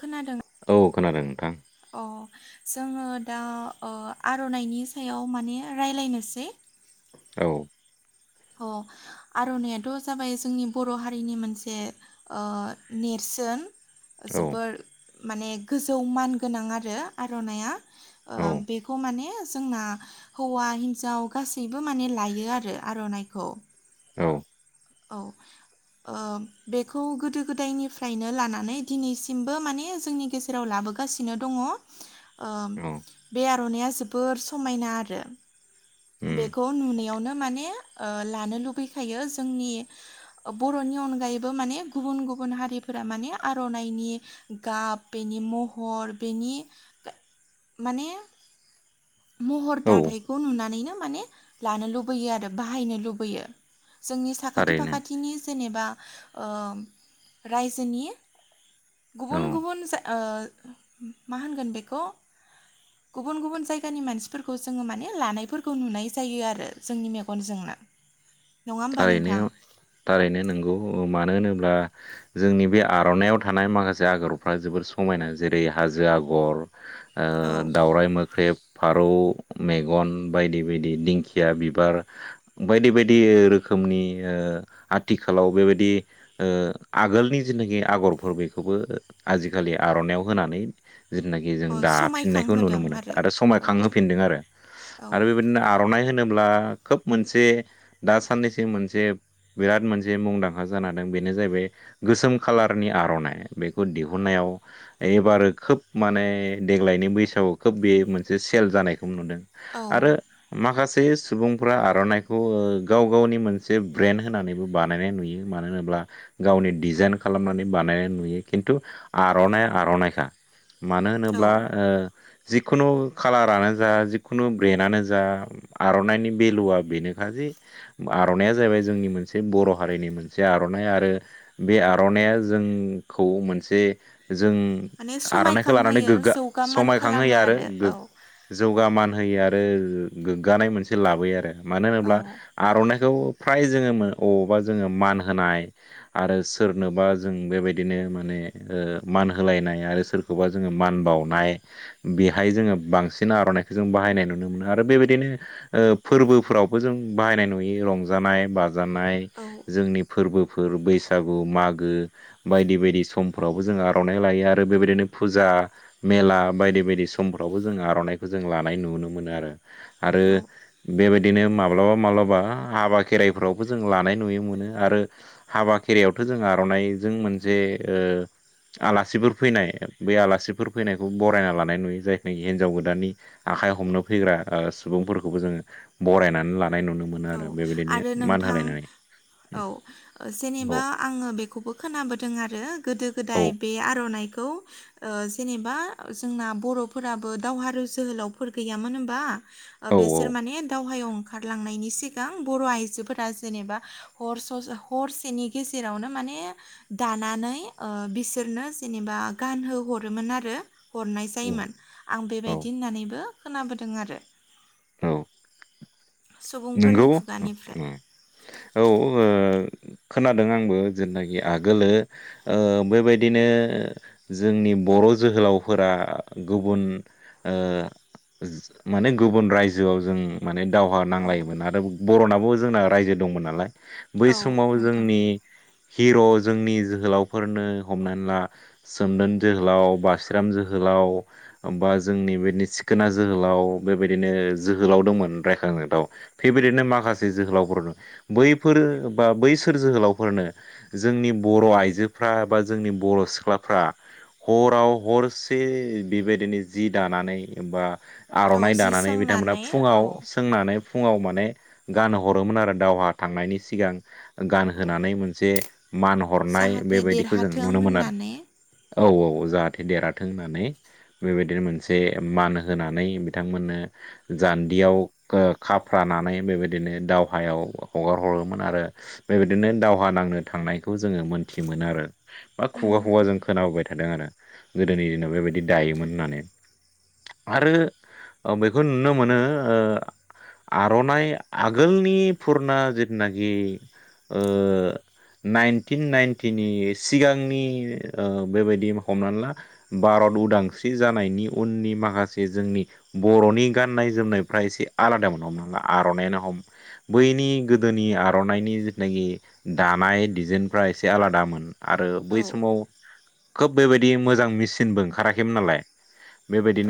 खोनादों औ खोनादों नोंथां। अ जोङो दा अ आर'नाइनि सायाव माने राय्लायनोसै। औ। अ आर'नााथ' जाबाय जोंनि बर' हारिनि मोनसे अ नेरसोन। औ जोबोर माने गोजौ मान गोनां आरो आर'नाया। औ बेखौ माने जोंना हौवा-हिन्जाव गासैबो माने लायो आरो आर'नाइखौ। औ। औ। ओ बेखौ गोदो गोदायनिफ्रायनो लानानै दिनैसिमबो माने जोंनि गेजेराव लाबोगासिनो दङ औ बे आर'नाइआ जोबोर समायना आरो उम बेखौ नुनायावनो माने लानो लुबैखायो जोंनि बर'नि अनगायैबो माने गुबुन गुबुन हारिफोरा माने आर'नाइनि गाब बेनि महर बेनि माने महर औ दाथायखौ नुनानैनो माने लानो लुबैयो आरो बाहायनो लुबैयो जोंनि थारैनो साखाथि-फाखाथिनि जेनेबा ओम रायजोनि गुबुन औ गुबुन जा ओ मा होनगोन बेखौ गुबुन गुबुन जाय जायगानि मानसिफोरखौ जोङो माने लानायफोरखौ नुनाय जायो आरो जोंनि मेगनजोंनो। होमबा नोंथां थारैनो थारैनो नंगौ। मानो होनोब्ला जोंनि बे आर'नाइाव थानाय माखासे आगरफ्रा जोबोर समायना जेरै हाजो आगर, ओ औ दाउरायाइ मोख्रेब, फारौ मेगन बायदि बायदि दिंखिया बिबार बायदि -बायदि रोखोम रोखोमनि ओ आथिखालाव बेबायदि ओ आगोलनि जेनाखि आगरफोर बेखौबो आजिखालि आर'नाइाव होनानै जिथनाखि जों अ दाफिननायखौ नुनो समायखांहोदों मोनो। आरो औ समायखांहोफिनदों आरो। औ आरो बेबायदिनो आर'नाइ होनोब्ला खोब मोनसे दासाननैसो मोनसे बिराद मोनसे मुंदांखा जाना दं। बेनो जाहैबाय गोसोम खालारनि आर'नाइ। बेखौ दिहुननायाव एबारो खोब माने देग्लायनि बैसागआव खोब बे मोनसे सेल जानायखौ नुदों। औ आरो माखासे सुबुंफ्रा आर'नाइखौ ओ गाव-गावनि मोनसे ब्रेन्ड होनानैबो बानायनाय नुयो। मानो होनोब्ला गावनि डिजाइन खालामनानै बानायनाय नुयो। खिन्थु आर'नाइ आर'नाइखा। मानो औ होनोब्ला ओ जिखुनु खाालारानो जा जिखुनु ब्रेन्डनो जा आर'नाइनि भेलुआ बेनोखा जे आर'नायइया जाहैबाय जोंनि मोनसे बर' हारिनि मोनसे आर'नाइ आरो बे आर'नायइा जोंखौ मोनसे जों माने आर'नाइखौ लानानै समायखांहोयो गोग्गा जौगामान खालामो समायखांहयो आरो गो औ जौगा मान होयो आरो गो -गोग्गानाय मोनसे लाबोयो आरो मानो औ होनोब्ला आर'नाइखौ फ्राय जोङो अबावबा जोङो मान होनाय आरो सोरनोबा जों बेबायदिनो माने मान होलायनाय आरो सोर खौबा जोङो मान बावनाय बेहाय जोङो बांसिन आर'नाइखौ जों बाहायनाय नुनो मोनो आरो बेबायदिनो ओ फोरबोफोरावबो जों बाहायनाय नुयो रंजानाय बाजानाय औ जोंनि फोरबोफोर बैसागु मागो बायदि बायदि समफोरावबो जों आर'नाइ लायो आरो बेबायदिनो फुजा मेला बायदि बायदि समफ्रावबो जों आर'नाइखौ जों लानाय नुनो मोनो आरो। आरो औ बेबायदिनो मा ब्लाबा माब्लाबा हाबा खेराइफ्रावबो जों लानाय नुयो मोनो आरो हाबा खेराइयावथ' जों आर'नाइजों मोनसे ओ आलासिफोर फैनाय बे आलासिफोर फैनायखौ बरायना लानाय नुयो जायखि हिन्जाव गोदाननि आखाइ हमनो फैग्रा ओ सुबुंफोरखौबो जोङो बरायनानै लानाय नुनो मोनो। औ आरो बेबायदिनो आरो मान नोंथां होलायनानै औ ओ जेनेबा औ आङो बेखौबो खोनाबोदों आरो गोदो औ गोदाय बे आर'नाइखौ ओ जेनेबा जोंना बर'फोराबो दावहारु जोहोलावफोर गैयामोन होमबा ओ औ बेसोर औ माने दावहायाव ओंखारलांनायनि सिगां बर' आइजोफोरा जेनेबा हर हरसेनि गेजेरावनो माने दानानै ओ बिसोरनो जेनेबा गानहो हरोमोन आरो। हरनाय औ जायोमोन आं औ बेबायदि होननानैबो खोनाबोदों आरो। औ नंगौ सुबुंफोरनि खुगानिफ्राय औ ओ खोनादों आंबो जेनाखि आगोलो ओ बैबायदिनो जोंनि बर' जोहोलावफोरा गुबुन ओ माने गुबुन रायजोआव जों माने दावहा औ नांलायोमोन आरो बर'नाबो जोंना रायजो दंमोन नालाय। बै औ समाव नोंथां जोंनि हिर' जोंनि जोहोलावफोरनो हमनानै ला सोमदोन जोहोलाव, बासिराम जोहोलाव बा जोंनि बेदिनो सिखोना जोहोलाव बेबायदिनो जोहोलाव दंमोन रायखांजाथाव। बेबायदिनो माखासे जोहोलावफोर दं बैफोरो बा बैसोर जोहोलावफोरनो जोंनि बर' आइजोफ्रा बा जोंनि बर' सिख्लाफ्रा हराव हरसे बेबायदिनो जि दानानै बा औ आर'नाइ जि दानानै बिथांमोना सोंनानै औ फुङाव सोंनानै फुङाव माने गानहोह'रोमोन आरो दावहा थांनायनि सिगां औ गानहोनानै मोनसे ओ मान हरनाय जाहाथे बेबायदिखौ जों देरहाथों नुनो मोनो आरो। होननानै औ औ जाहाथे देरहाथों होननानै बेबायदिनो मोनसे मान होनानै बिथांमोननो जान्दियाव ओ खाफ्रानानै बेबायदिनो दावहायाव हगार हरोमोन आरो बेबायदिनो दावहा नांनो थांनायखौ जोङो मोनथियोमोन आरो बा उम खुगा खुवा जों खोनाबोबाय थादों आरो गोदोनि दिनाव बेबायदि दायोमोन होननानै। आरो औ बेखौ नुनो मोनो ओ आर'नाइ आगोलनि पुरना जिथनाखि ओ नाइनटिन नाइन्टिनि सिगांनि ओ बेबायदि हमनानै ला भारत उदांस्रि जानायनि उननि माखासे जोंनि बर'नि गाननाय जोमनायफ्रा एसे आलादामोन हम ना ला आर'नाइयानो हम। बैनि गोदोनि आर'नाइनि जिथुनाखि दानाय डिजाइनफ्रा एसे आलादामोन आरो औ बै समाव खोब बेबायदि मोजां मेसिनबो ओंखाराखैमोन नालाय।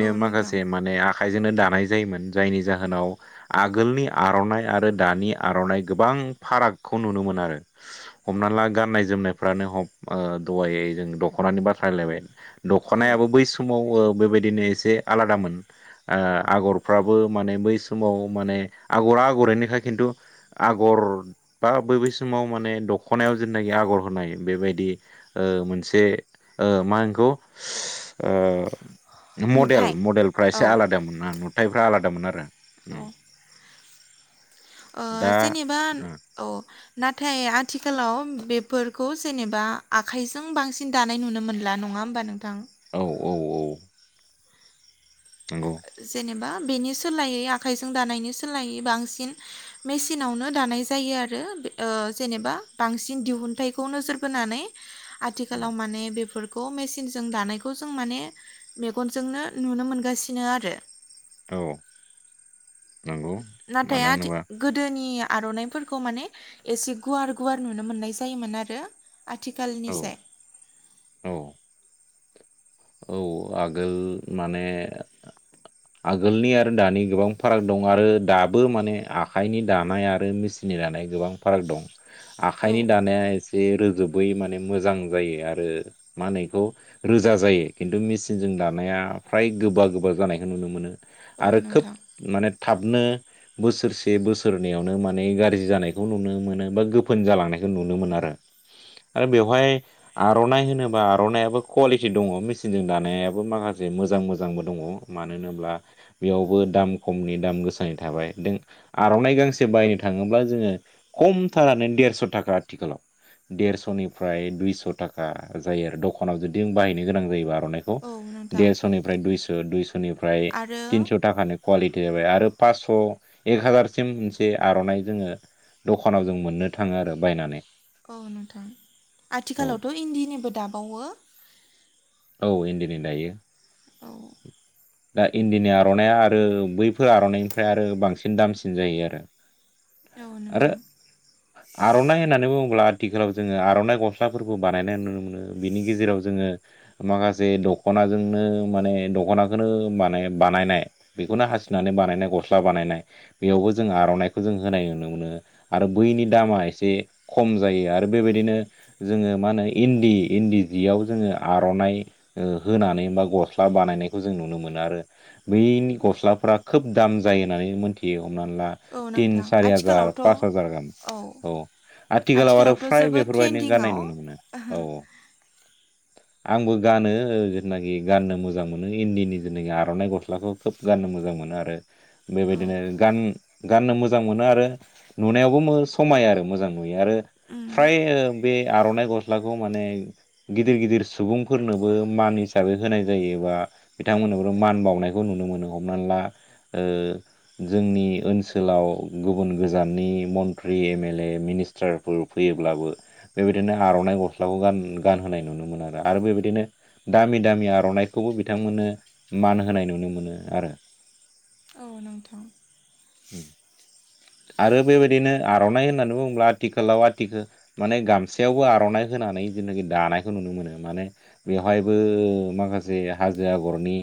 औ नोंथां माखासे माने आखाइजोंनो दानाय जायोमोन जायनि जाहोनाव आगोलनि आर'नाइ आरो दानि आर'नाइ गोबां फारागखौ नुनो मोनो आरो। हमना ला गाननाय जोमनायफ्रानो हम ओ दहायो जों दख'नानि बाथ्रा रायलायबाय औ दख'नायाबो बै समाव ओ बेबायदिनो एसे आलादामोन। ओ आगरफ्राबो माने बै समाव माने आगरा आगरैनो खा खिन्थु आगर बा बै बै समाव माने दखनायाव जेनाखि आगर होनाय बेबायदि ओ मोनसे ओ मा होनो बेखौ ओ मडेल नुथाय मडेलफ्रा औ एसे आलादामोन ना नुथायफ्रा आलादामोन आरो। औ [inaudible] ओ जेनेबा औ नाथाय आथिखालाव बेफोरखौ जेनेबा आखाइजों बांसिन दानाय नुनो मोनला नङा होमबा नोंथां औ औ औ नंगौ जेनेबा बेनि सोलायै आखाइजों दानायनि सोलायै बांसिन मेसिनावनो दानाय जायो आरो आरो बे ओ जेनेबा बांसिन दिहुनथाइखौ नोजोर बोनानै आथिखालाव माने बेफोर ग मेसिनजों दानायखौ जों माने मेगनजोंनो नुनो मोनगासिनो आरो। औ नंगौ नाथाय मानो आथि होनोबा गोदोनि आर'नाइफोरखौ माने एसे गुवार गुवार नुनो मोननाय जायोमोन आरो औ आथिखालनिसाय औ औ आगोल माने [inaudible] आगोलनि आरो दानि गोबां फाराग दं आरो दाबो माने आखाइनि दानाय आरो मेसिननि दानाय गोबां फाराग दं औ आखाइनि दानाया एस बे रोजोबै माने मोजां जायो आरो मा होनो इखौ रोजा जायो। खिन्तु मिसिनजों दानाया फ्राय गोबा गोबा जानायखो नुनो मोनो औ आरो खोब नोंथां माने थाबनो बोसोरसे बोसोरनैयावनो माने गाज्रि जानायखौ नुनो मोनो बा गोफोन जालांनायखौ नुनो मोन आरो। आरो बेवहाय आर'नाइ होनोबा आर'नायइाबो कुवालिटि दङ मिस सिनजों दानायाबो माखासे मोजां मोजांबो दङ मानो होनोब्ला बेयावबो दाम खमनि दाम गोसानि थाबाय नों आर'नाइ गांसे बायनो थाङोब्ला जोङो कमथारानो देरस' थाखा आथिखालाव। देरस'निफ्राय दुइस' थाखा जायो आरो द'खानाव जुदि बाहायनो गोनां जायोबा र'नाइखौ औ नोंथां देरस' निफ्राय दुइस' दुइस'निफ्राय आरो तिनस' ताकानि कुवालिटि जाबाय आरो पास्स' एक हाजारसिम मोनसे आर'नाइ जोङो द'खानाव जों मोननो थाङो आरो बायनानै। औ नोंथां औ आथिखालावथ' इन्दिनिबो दाबावो। औ इन्दिनि दायो। [inaudible] दा इन्दिनि आर'नाइया आरो बैफोर आर'नाइनिफ्राय आरो बांसिन दामसिन जायो आरो। औ आरो नोंथां [inaudible] आर'नाइ होननानै बुङोब्ला आथिखालाव जोङो आर'नाइ गस्लाफोरखौ बानायनाय नुनो मोनो बिनि गेजेराव जोङो माखासे दख'नाजोंनो माने दख'नाखोनो माने बानायनाय बेखौनो हासिनानै बानायनाय गस्ला बानायनाय बेयावबो जों आर'नाइखौ जों होनाय नुनो मोनो आरो बैनि दामा एसे खम जायो आरो बेबायदिनो जोङो मा होनो इन्दि इन्दि जियाव जोङो आर'नाइ ओ होनानै बा गस्ला बाना नायखौ जों नुनो मोनो आरो बैनि गस्लाफोरा खोब दाम जायो होननानै मोनथियो हमनानै ला औ तिन नोंथां सारि हाजार आथिखालावथ' पास हाजार गान औ। आथिकालाव आरो आथिखालावथ' फ्राय जोबोद बेफोरबायदिनो ट्रेन्दिंआव गाननाय नुनो मोनो औ औ। आंबो गानो ओ जिथनाखि गाननो मोज जां मोनो इन्दिनि जेनाखि आर'नाइ गस्लाखौ खोब गाननो मोजां मोनो आरो। औ बेबायदिनो गान गाननो मोजां मोनो आरो नुनायावबो मो समाय आरो मोजां नुयो आरो उम फ्राय बे आर'नाइ गस्लाखौ माने गिदिर गिदिर सुबुंफोरनोबो मान हिसाबै होनाय जायो। बा बिथांमोननोथ' मान बावनायखौ नुनो मोनो हमनानै ला ओ जोंनि ओनसोलाव गुबुन गोजाननि मन्त्रि एम एल ए मिनिस्थ फोर फैयोब्लाबो बेबायदिनो आर'नाइ गस्लाखौ गान गानहोनाय नुनो मोनो आरो आरो बेबायदिनो दामि दामि आर'नाइ खौबो बिथांमोननो मान होनाय नुनो मोनो आरो औ नोंथां आरो बेबायदिनो आर'नाइ होननानै बुङोब्ला आथिखालाव आथि माने गामसायावबो आर'नाइ होनानै जेनाखि दानायखौ नुनो मोनो माने बेवहायबो माखासे हाजो आगरनि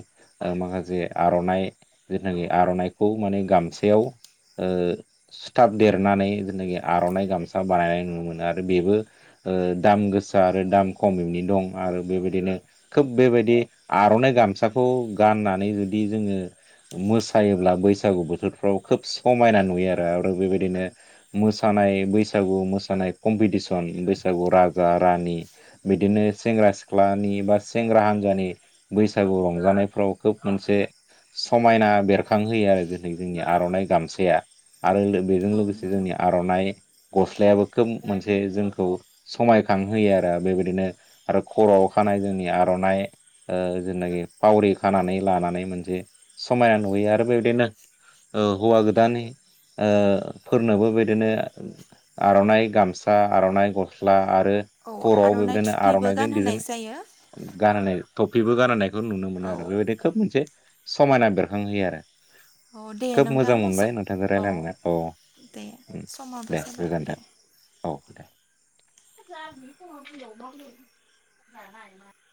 माखासे आर'नाइ जेनाखि आर'नाइखौ माने गामसायाव ओ सिथाब देरनानै जेन्नाखि आर'नाइ गामसा बानायनाय नुनो मोनो आरो बेबो ओ दाम गोसा आरो दाम खम एमनि दं आरो बेबायदिनो खोब बेबायदि आर'नाइ गामसाखौ गाननानै जुदि जोङो मोसायोब्ला बैसागु बोथोरफ्राव खोब समायना नुयो आरो आरो बेबायदिनो मोसानाय बैसागु मोसानाय कम्पिटिसन बैसागु राजा रानि बिदिनो सेंग्रा सिख्लानि बा सेंग्रा हान्जानि बैसागु रंजानायफ्राव खोब मोनसे समायना बेरखांहोयो आरो जोदिक जोंनि आर'नाइ गामसाया। आरो बेजों औ लोगोसे नोंथां जोंनि आर'नाइ गस्लायाबो खोब मोनसे जोंखौ समायखांहोयो आरो बेबायदिनो आरो खर'आव खानाय जोंनि आर'नाइ जेनाखि फावरि खानानै लानानै मोनसे समायना नुयो आरो बेबायदिनो हौवा गोदान ओ फोरनोबो बिदिनो आर'नाइ गामसा आर'नाइ गस्ला आरो औ खर'आव आर'नाइ बेबायदिनो थुफिबो आर'नाइजों दैजों गानहोनाय जायो गानहोनाय टफिबो गानहोनायखौ नुनो औ मोनो आरो बेबायदि खोब मोनसे समायना बेरखांहोयो आरो औ दे खोब नोंथां मोजां जो- मोनबाय नोंथांजों औ रायज्लायनानै औ दे समाबो दे जाबाय दे गोजोन्थों औ